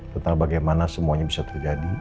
tentang bagaimana semuanya bisa terjadi